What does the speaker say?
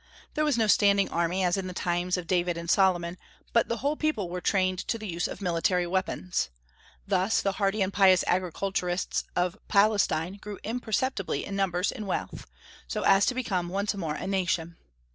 There was no standing army as in the times of David and Solomon, but the whole people were trained to the use of military weapons. Thus the hardy and pious agriculturists of Palestine grew imperceptibly in numbers and wealth, so as to become once more a nation.